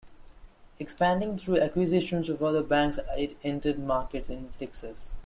Expanding through acquisitions of other banks it entered markets in Texas.